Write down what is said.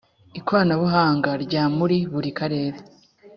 ikoranabuhanga rya muri buri karere